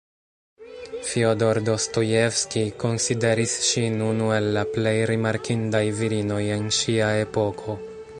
Fjodor Dostojevskij konsideris ŝin unu el la plej rimarkindaj virinoj en ŝia epoko.